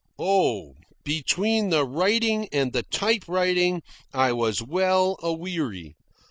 Oh, between the writing and the typewriting I was well a weary.